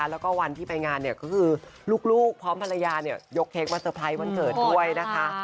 แล้วก็วันที่ไปงานเนี่ยก็คือลูกพร้อมภรรยาเนี่ยยกเค้กมาเตอร์ไพรส์วันเกิดด้วยนะคะ